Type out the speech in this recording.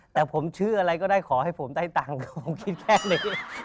แต่ผมชื่ออะไรก็ได้ขอให้ผมได้ตังค์ผมคิดแค่นี้